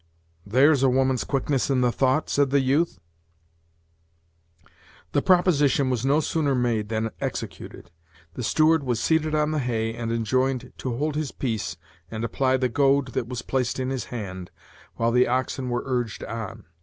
"There's a woman's quickness in the thought," said the youth. The proposition was no sooner made than executed. The steward was seated on the hay, and enjoined to hold his peace and apply the goad that was placed in his hand, while the oxen were urged on.